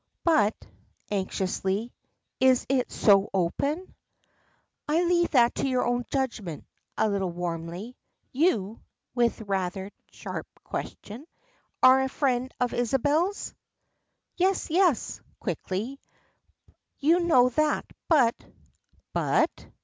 "But," anxiously, "is it so open?" "I leave that to your own judgment," a little warmly. "You," with rather sharp question, "are a friend of Isabel's?" "Yes, yes," quickly. "You know that. But " "But?"